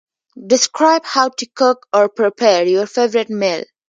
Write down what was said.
Describe how to cook or prepare your favorite meal.